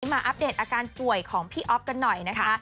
มาอัปเดตอาการป่วยของพี่อ๊อฟกันหน่อยนะคะ